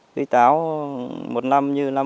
tươi táo một năm như năm sáu năm